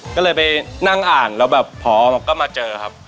ก็เลยไปนั่งอ่านแล้วแบบพอก็มาเจอครับ